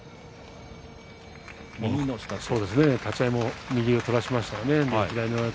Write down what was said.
立ち合いも右手取らせましたね。